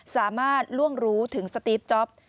สามารถล่วงรู้ถึงสตีฟจ๊อป